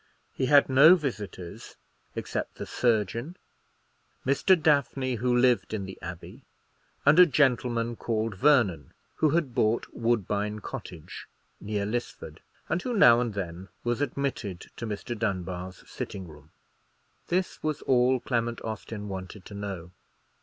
He had no visitors, except the surgeon, Mr. Daphney, who lived in the Abbey, and a gentleman called Vernon, who had bought Woodbine Cottage, near Lisford, and who now and then was admitted to Mr. Dunbar's sitting room. This was all Clement Austin wanted to know.